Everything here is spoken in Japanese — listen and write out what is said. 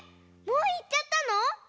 もういっちゃったの？